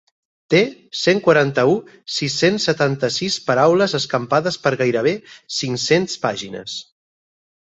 Té cent quaranta-u.sis-cents setanta-sis paraules escampades per gairebé cinc-cents pàgines.